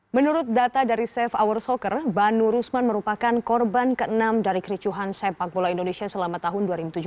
menurut data dari safe hour soccer banu rusman merupakan korban ke enam dari kericuhan sepak bola indonesia selama tahun dua ribu tujuh belas